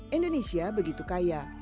indonesia begitu kaya